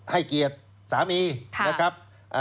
ให้เกียรติสามีนะครับ